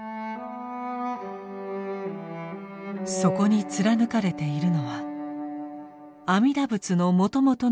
そこに貫かれているのは阿弥陀仏のもともとの願い